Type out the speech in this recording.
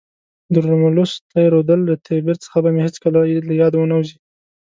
د رومولوس تی رودل له تیبر څخه به مې هیڅکله له یاده ونه وزي.